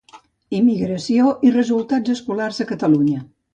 Immigració i resultats escolars a Catalunya.